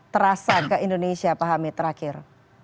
terasa ke indonesia pak hamid terakhir